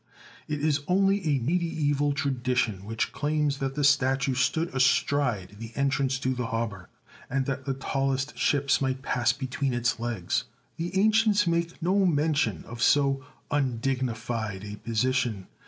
It is only a mediaeval tradi tion which claims that the statue stood astride the entrance to the harbour, and that the tallest ships might pass between its legs. The ancients make no mention of so undignified a position.